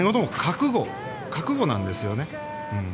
覚悟なんですよね。